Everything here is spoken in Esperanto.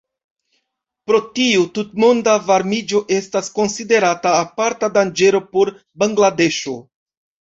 Pro tio, tutmonda varmiĝo estas konsiderata aparta danĝero por Bangladeŝo.